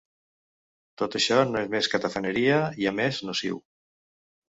Tot això no és més que tafaneria, i a més nociu.